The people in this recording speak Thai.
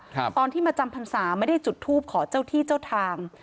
ตอนที่มาจำพรรษาไม่ได้จุดทูปขอเจ้าที่เจ้าทาง